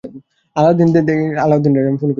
ত্যাগী, আমি জজ।